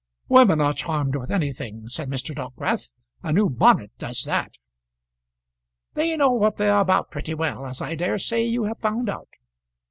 "Women are charmed with anything," said Mr. Dockwrath. "A new bonnet does that." "They know what they are about pretty well, as I dare say you have found out.